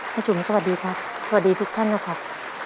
จุ๋มสวัสดีครับสวัสดีทุกท่านนะครับ